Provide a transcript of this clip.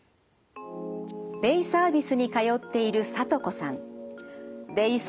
デイサービスに通っているさとこさん。